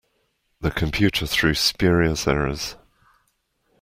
The computer threw spurious errors.